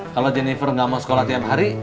kalau jennifer nggak mau sekolah tiap hari